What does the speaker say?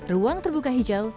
ruang terbuka hijau